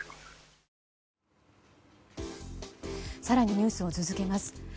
更にニュースを続けます。